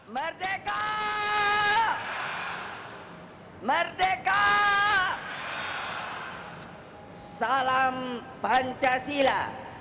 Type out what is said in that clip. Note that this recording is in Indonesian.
merdeka merdeka salam pancasila